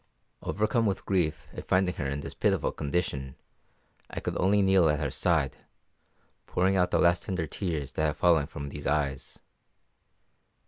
Overcome with grief at finding her in this pitiful condition, I could only kneel at her side, pouring out the last tender tears that have fallen from these eyes.